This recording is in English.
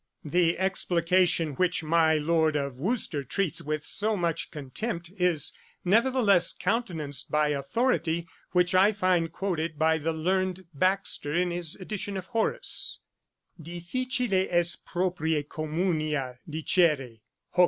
The explication which My Lord of Worcester treats with so much contempt, is nevertheless countenanced by authority which I find quoted by the learned Baxter in his edition of Horace: 'Difficile est propriè communia dicere, h.e.